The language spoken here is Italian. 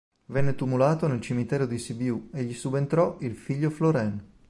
Venne tumulato nel cimitero di Sibiu e gli subentrò il figlio Florin.